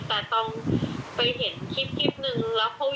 แต่ต้องไปเห็นคลิปนึงแล้วเขา